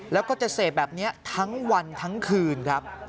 แล้วก็จะเสพแบบนี้ทั้งวันทั้งคืนครับ